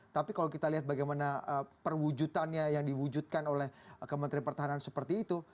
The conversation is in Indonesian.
tapi kalau kita lihat bagaimana perwujudannya yang diwujudkan oleh kementerian pertahanan seperti itu